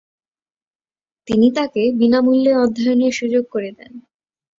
তিনি তাকে বিনামূল্যে অধ্যয়নের সুযোগ করে দেন।